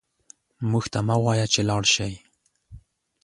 موږ ته مه وايه چې لاړ شئ